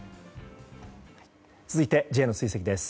続いてＪの追跡です。